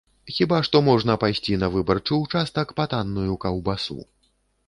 Хіба што можна пайсці на выбарчы ўчастак па танную каўбасу.